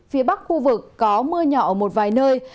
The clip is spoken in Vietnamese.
phía bắc khu vực có mưa nhỏ ở một vài nơi